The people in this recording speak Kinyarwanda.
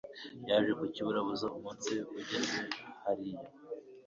Yaje ku kiburabuzo, Umunsi ugeze hariya :